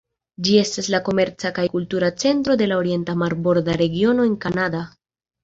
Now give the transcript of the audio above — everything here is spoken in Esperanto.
Ĝi estas la komerca kaj kultura centro de la orienta marborda regiono de Kanada.